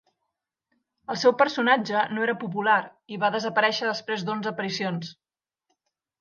El seu personatge no era popular i va desaparèixer després d'onze aparicions.